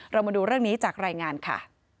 เรามาดูเรื่องนี้จากรายงานค่ะ